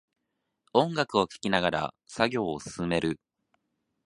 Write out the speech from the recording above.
音楽を聴きながら作業を進める